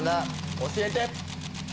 教えて！